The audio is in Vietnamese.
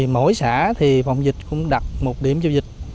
mỗi xã thì phòng dịch cũng đặt một điểm giao dịch